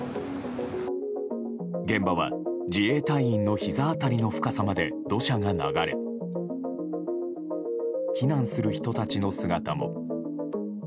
現場は、自衛隊員のひざ辺りの深さまで土砂が流れ避難する人たちの姿も。